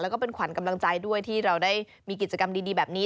แล้วก็เป็นขวัญกำลังใจด้วยที่เราได้มีกิจกรรมดีแบบนี้